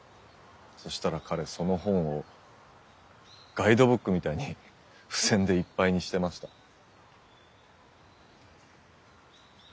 そしたら彼その本をガイドブックみたいに付箋でいっぱいにしてました。